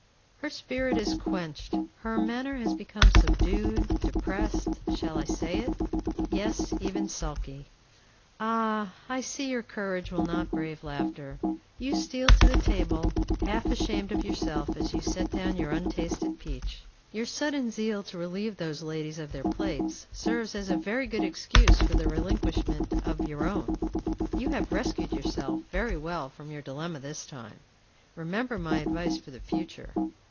Her spirit is quenched. Her manner has become subdued, depressed, shall I say it? yes, even sulky. Ah! I see your courage will not brave laughter. You steal to the table, half ashamed of yourself as you set down your untasted peach. Your sudden zeal to relieve those ladies of their plates serves as a very good excuse for the relinquishment of your own. You have rescued yourself very well from your dilemma this time. Remember my advice for the future.